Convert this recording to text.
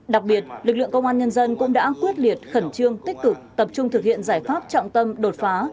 đặc biệt lực lượng công an nhân dân cũng đã quyết liệt khẩn trương tích cực tập trung thực hiện giải pháp trọng tâm đột phá